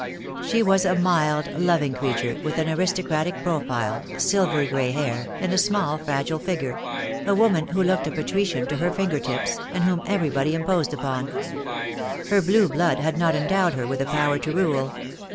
She was a mild, loving creature, with an aristo cratic profile, silvery grey hair, and a small fragile figure; a woman who looked a patrician to her finger tips, and $2 THE DAY WILL COME. whom everybody imposed upon. Her blue blood had not endowed her with the power to rule.